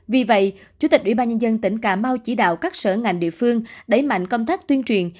vì vậy chủ tịch ubnd tỉnh cà mau chỉ đạo các sở ngành địa phương đẩy mạnh công tác tuyên truyền